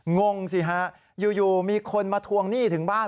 งงสิฮะอยู่มีคนมาทวงหนี้ถึงบ้าน